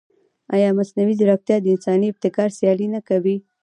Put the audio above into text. ایا مصنوعي ځیرکتیا د انساني ابتکار سیالي نه کوي؟